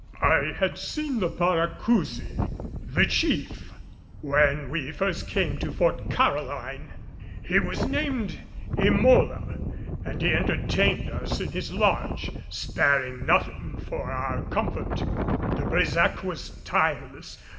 I had seen the Paracousi the "Chief," when we first came to Fort Caroline. He was named Emola and entertained us in his lodge, sparing nothing for our comfort. De Brésac was tireless.